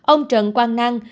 ông trần quang nang